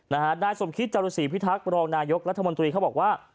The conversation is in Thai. นายสมคิตจรุษีพิทักษ์รองนายกรัฐมนตรีเขาบอกว่า